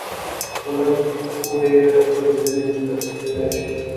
په لږ و ډېرې خوځېدنې مستفید کېدای شي.